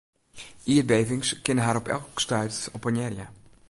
Ierdbevings kinne har op elk stuit oppenearje.